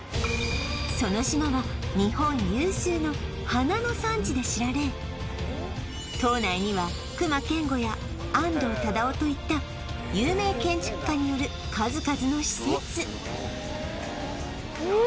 その島は日本有数の花の産地で知られ島内には隈研吾や安藤忠雄といった有名建築家による数々の施設え